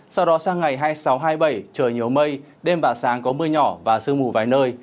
sau đó sang ngày hai mươi sáu hai mươi bảy trời nhiều mây đêm và sáng có mưa nhỏ và sương mù vài nơi